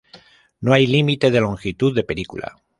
No hay límite de longitud de película.